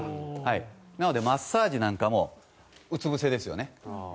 なので、マッサージなんかもうつ伏せですよね。